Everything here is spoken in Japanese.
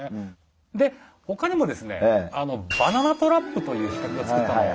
でほかにもですねバナナトラップという仕掛けを作った。